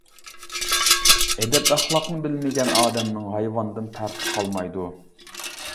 ئەدەپ-ئەخلاقنى بىلمىگەن ئادەمنىڭ ھايۋاندىن پەرقى قالمايدۇ.